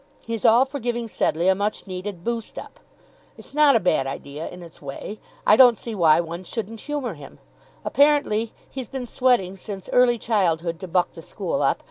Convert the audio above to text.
He's all for giving Sedleigh a much needed boost up. It's not a bad idea in its way. I don't see why one shouldn't humour him. Apparently he's been sweating since early childhood to buck the school up.